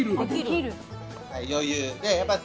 余裕。